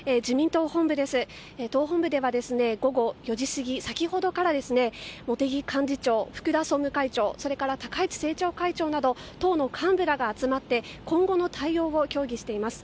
党本部では、午後４時過ぎ先ほどから、茂木幹事長福田総務会長、高市政調会長など党の幹部らが集まって今後の対応を協議しています。